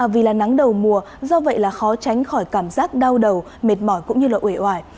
vì là nắng đầu mùa do vậy là khó tránh khỏi cảm giác đau đầu mệt mỏi cũng như là uổi oải